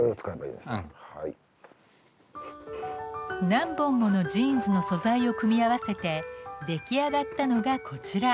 何本ものジーンズの素材を組み合わせて出来上がったのがこちら。